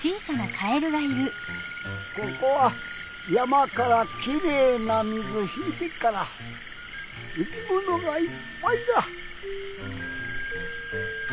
ここは山からきれいな水引いてっから生きものがいっぱいだ。